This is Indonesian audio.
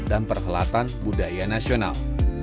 dan perhelatan budaya nasional